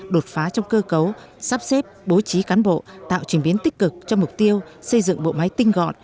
đột phá trong cơ cấu sắp xếp bố trí cán bộ tạo chuyển biến tích cực cho mục tiêu xây dựng bộ máy tinh gọn